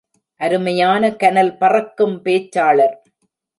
அருமையான கனல் பறக்கும் பேச்சாளர்.